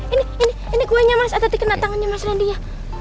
ini ini kuenya mas atati kena tangannya mas randy ya